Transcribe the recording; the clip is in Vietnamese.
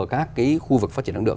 các cái khu vực phát triển năng lượng